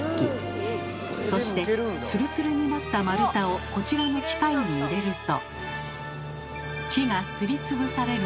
そしてつるつるになった丸太をこちらの機械に入れると。